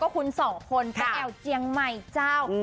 คุณสองคนไปแอวเจียงใหม่เจ้า